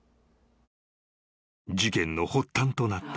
［事件の発端となった］